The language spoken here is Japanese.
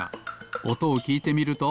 おとをきいてみると。